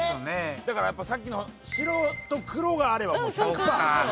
だからやっぱりさっきの「白」と「黒」があればもう１００パー。